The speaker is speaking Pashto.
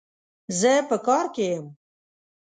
زه په کار کي يم